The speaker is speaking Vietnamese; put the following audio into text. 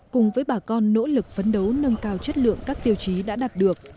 cùng với bà con nỗ lực phấn đấu nâng cao chất lượng các tiêu chí đã đạt được